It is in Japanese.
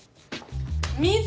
⁉水？